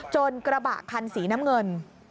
กระบะคันสีน้ำเงิน